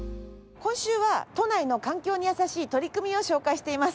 今週は都内の環境にやさしい取り組みを紹介しています。